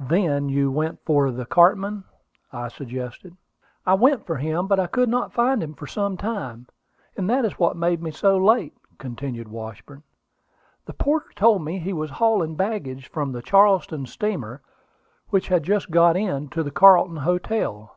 "Then you went for the cartman," I suggested. "I went for him; but I could not find him for some time, and that is what made me so late," continued Washburn. "The porter told me he was hauling baggage from the Charleston steamer, which had just got in, to the Carlton Hotel.